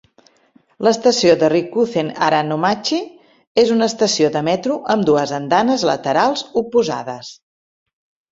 L'estació de Rikuzen-Haranomachi és una estació de metro amb dues andanes laterals oposades.